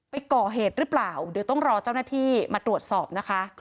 ไปก่อเหตุหรือเปล่าเดี๋ยวต้องรอเจ้าหน้าที่มาตรวจสอบนะคะ